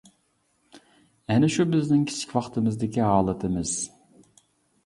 ئەنە شۇ بىزنىڭ كىچىك ۋاقتىمىزدىكى ھالىتىمىز!